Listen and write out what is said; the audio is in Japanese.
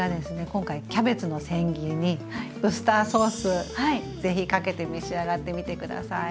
今回キャベツの千切りにウスターソースぜひかけて召し上がってみて下さい。